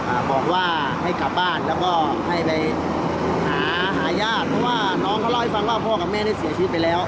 อ่าบอกว่าให้กลับบ้านแล้วก็ให้ไปหาหาญาติเพราะว่าน้องเขาเล่าให้ฟังว่าพ่อกับแม่ได้เสียชีวิตไปแล้ว